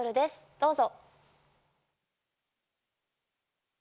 どうぞ。